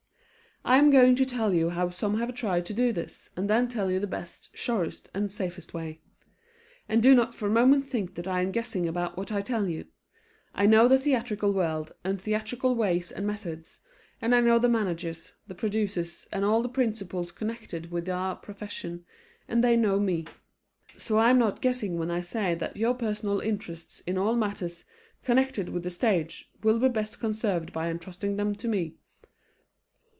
I am going to tell you how some have tried to do this, and then tell you the best, surest and safest way. And do not for a moment think that I am guessing about what I tell you. I know the theatrical world and theatrical ways and methods, and I know the managers, the producers, and all the principals connected with our profession, and they know me. So I am not guessing when I say that your personal interests in all matters connected with the stage will be best conserved by entrusting them to me.